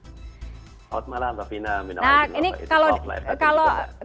selamat malam fafina minal aidul faizin